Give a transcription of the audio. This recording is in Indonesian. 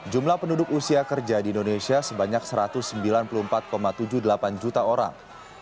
jumlah penduduk usia kerja di indonesia sebanyak satu ratus sembilan puluh empat tujuh puluh delapan juta orang